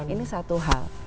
ini satu hal